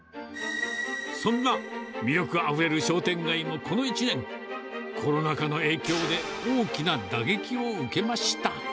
そんな魅力あふれる商店街のこの１年、コロナ禍の影響で大きな打撃を受けました。